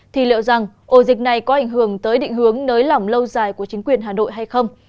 thì liệu rằng ổ dịch này có ảnh hưởng tới định hướng nới lỏng lâu dài của chính quyền hà nội hay không